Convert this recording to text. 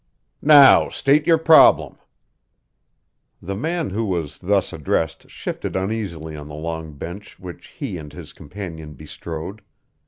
_" "Now state your problem." The man who was thus addressed shifted uneasily on the long bench which he and his companion bestrode.